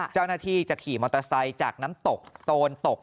เจ้าหน้าที่จะขี่มอเตอร์ไซค์จากน้ำตกโตนตก